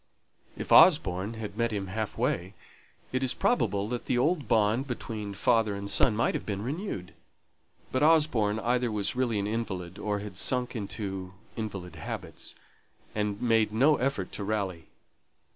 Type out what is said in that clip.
If Osborne had met him half way, it is probable that the old bond between father and son might have been renewed; but Osborne either was really an invalid, or had sunk into invalid habits, and made no effort to rally.